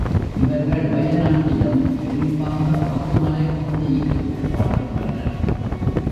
இவர்கள் வய நாட்டிலும், குறிப்பாக மதுமலைப் பகுதியிலும் வாழ்கின்றனர்.